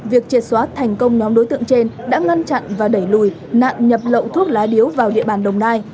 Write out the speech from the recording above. việc triệt xóa thành công nhóm đối tượng trên đã ngăn chặn và đẩy lùi nạn nhập lậu thuốc lá điếu vào địa bàn đồng nai